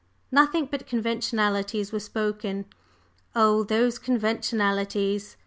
Nothing but conventionalities were spoken. Oh, those conventionalities!